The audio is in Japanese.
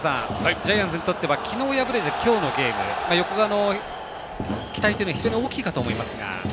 ジャイアンツにとっては昨日敗れて今日のゲーム横川の期待というのは非常に大きいと思いますが。